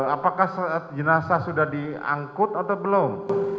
apakah jenazah sudah diangkut atau belum